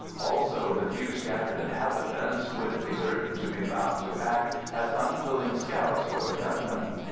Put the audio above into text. Also the few scattered inhabitants would be certain to be found to act as unwilling scouts for the gunmen.